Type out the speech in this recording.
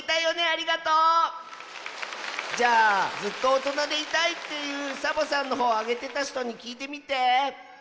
ありがとう！じゃあずっとおとなでいたいっていうサボさんのほうをあげてたひとにきいてみて！